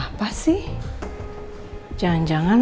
jangan jangan al tahu kalau nino mau bikin acara ulang tahunnya rena